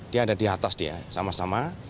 dia ada di atas dia sama sama